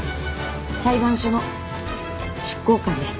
裁判所の執行官です。